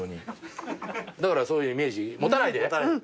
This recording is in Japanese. だからそういうイメージ持たないで。